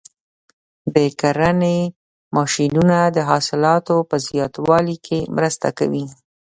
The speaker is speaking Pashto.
د کرنې ماشینونه د حاصلاتو په زیاتوالي کې مرسته کوي.